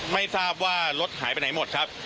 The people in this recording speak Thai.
ไม่ทราบว่ารถหายไปไหนหมดครับ